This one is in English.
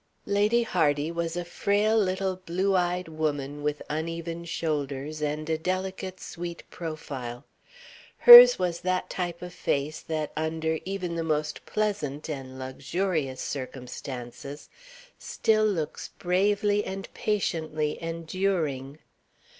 Lady Hardy was a frail little blue eyed woman with uneven shoulders and a delicate sweet profile. Hers was that type of face that under even the most pleasant and luxurious circumstances still looks bravely and patiently enduring.